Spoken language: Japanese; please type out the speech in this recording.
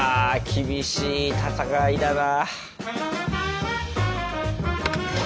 厳しい戦いだな。